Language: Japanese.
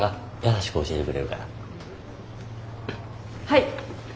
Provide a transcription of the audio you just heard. はい。